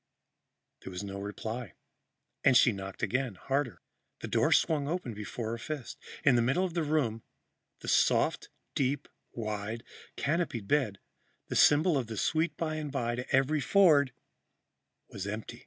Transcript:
There was no reply and she knocked again, harder. The door swung open before her fist. In the middle of the room, the soft, deep, wide, canopied bed, the symbol of the sweet by and by to every Ford, was empty.